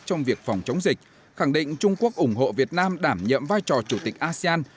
trong việc phòng chống dịch khẳng định trung quốc ủng hộ việt nam đảm nhiệm vai trò chủ tịch asean